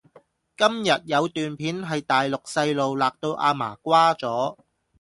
今日有段片係大陸細路勒到阿嫲瓜咗？